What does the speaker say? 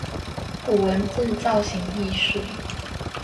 古文字造型藝術